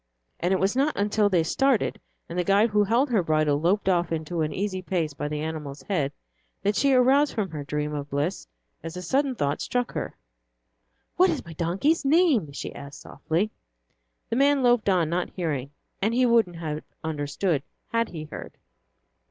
And it was not until they started and the guide who held her bridle loped off into an easy pace, by the animal's head, that she aroused from her dream of bliss as a sudden thought struck her. "What is my donkey's name?" she asked softly. The man loped on, not hearing, and he wouldn't have understood had he heard.